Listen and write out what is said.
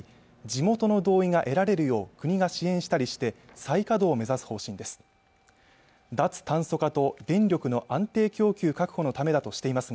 地元の同意が得られるよう国が支援したりして再稼働を目指す方針です